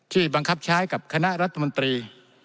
บังคับใช้กับคณะรัฐมนตรี